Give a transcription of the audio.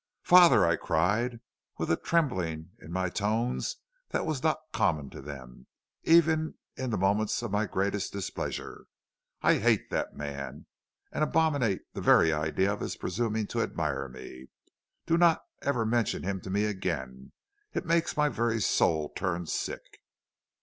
"'Father,' I cried, with a trembling in my tones that was not common to them, even in the moments of my greatest displeasure; 'I hate that man, and abominate the very idea of his presuming to admire me. Do not ever mention him to me again. It makes my very soul turn sick.'